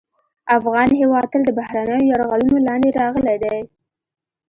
افغان هېواد تل د بهرنیو یرغلونو لاندې راغلی دی